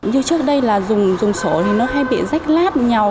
như trước đây là dùng sổ thì nó hay bị rách lát nhau